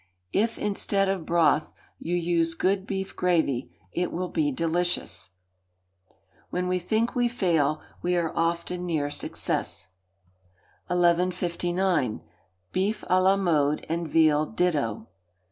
If instead of broth you use good beef gravy, it will be delicious. [WHEN WE THINK WE FAIL, WE ARE OFTEN NEAR SUCCESS.] 1159. Beef à la Mode and Veal Ditto.